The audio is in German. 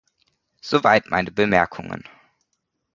Soweit meine Bemerkungen.